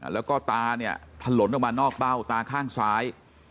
แล้วก็ตาเนี่ยถลนออกมานอกเบ้าตาข้างซ้าย